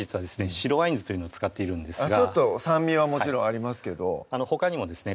白ワイン酢というのを使っているんですがちょっと酸味はもちろんありますけどほかにもですね